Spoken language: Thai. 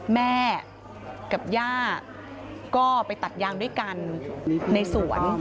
แม่กับย่าก็ไปตัดยางด้วยกันในสวน